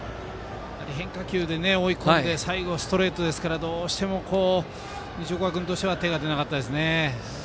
変化球で追い込んで最後ストレートですからどうしても西岡君としては手が出なかったですね。